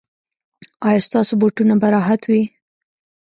ایا ستاسو بوټونه به راحت وي؟